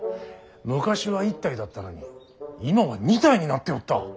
昔は１体だったのに今は２体になっておった。